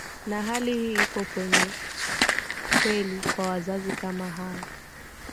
na hali hii iko kweli kwa wazazi kama hawa